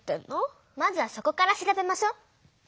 まずはそこから調べましょ。